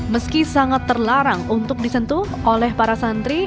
meski sangat terlarang untuk disentuh oleh para santri